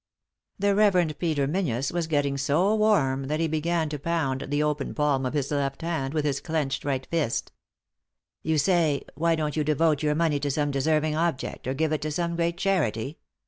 The Rev. Peter Menzies was getting so warm that he began to pound the open palm of his left hand with his clenched right fist. " You say, why don't you devote your money to some deserving object, or give it to some great charity.